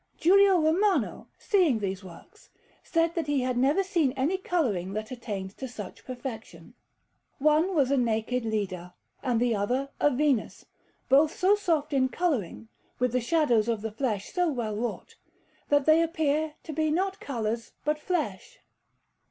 Giulio Romano, seeing these works, said that he had never seen any colouring that attained to such perfection. One was a naked Leda, and the other a Venus; both so soft in colouring, with the shadows of the flesh so well wrought, that they appeared to be not colours, but flesh.